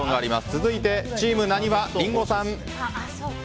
続いてチームなにわ、リンゴさん。